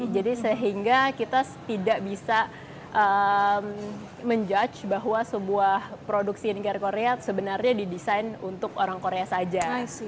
jadi sehingga kita tidak bisa menjudge bahwa sebuah produk skincare korea sebenarnya didesain untuk orang korea saja